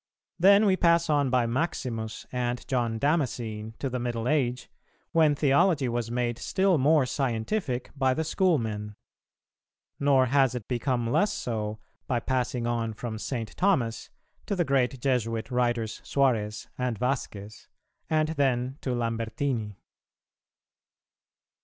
Then we pass on by Maximus and John Damascene to the Middle age, when theology was made still more scientific by the Schoolmen; nor has it become less so, by passing on from St. Thomas to the great Jesuit writers Suarez and Vasquez, and then to Lambertini.